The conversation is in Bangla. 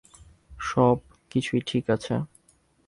সব কিছুই ঠিক আছে।